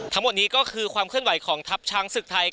ทั้งหมดนี้ก็คือความเคลื่อนไหวของทัพช้างศึกไทย